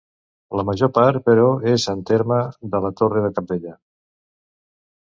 La major part, però, és en terme de la Torre de Cabdella.